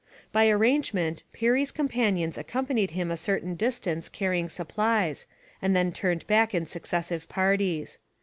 By arrangement, Peary's companions accompanied him a certain distance carrying supplies, and then turned back in successive parties.